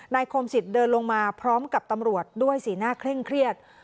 คมสิทธิ์เดินลงมาพร้อมกับตำรวจด้วยสีหน้าเคร่งเครียด